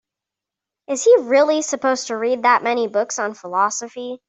Is he really supposed to read that many books on philosophy?